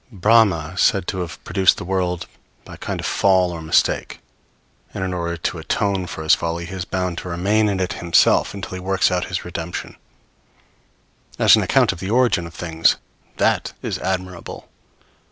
Welt als Wille und Vorstellung, vol. ii. p. 404.] Brahma is said to have produced the world by a kind of fall or mistake; and in order to atone for his folly, he is bound to remain in it himself until he works out his redemption. As an account of the origin of things, that is admirable!